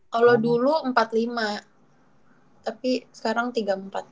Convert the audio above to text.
kalau dulu empat puluh lima tapi sekarang tiga puluh empat